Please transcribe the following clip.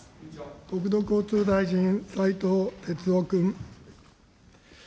国土交通大臣、斉藤鉄夫君。